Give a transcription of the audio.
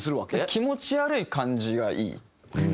気持ち悪い感じがいいって。